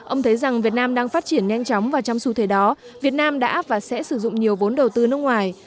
ông thấy rằng việt nam đang phát triển nhanh chóng và trong xu thế đó việt nam đã và sẽ sử dụng nhiều vốn đầu tư nước ngoài